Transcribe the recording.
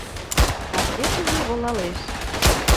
Кас кечыже волалеш